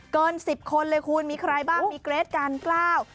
เกิน๑๐คนเลยคุณมีใครบ้างมีเกรทการกล้า